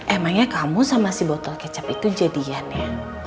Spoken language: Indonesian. emangnya kamu sama si b otraket itu jadiannya